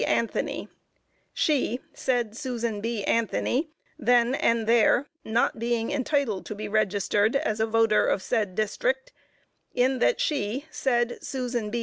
Anthony, she, said Susan B. Anthony then and there not being entitled to be registered as a voter of said District in that she, said Susan B.